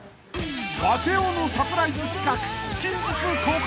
［バチェ男のサプライズ企画近日公開］